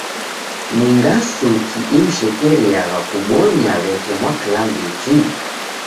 Ni ngasuki imshekeriagha kubonya w'eke mwaklambiti?